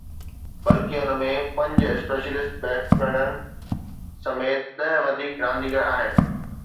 بلڪه، ان ۾ پنج اسپيشلسٽ بيٽسمين سميت ڏهه وڌيڪ رانديگر آهن